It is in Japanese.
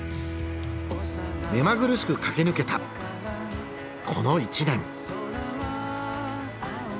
目まぐるしく駆け抜けたこの１年。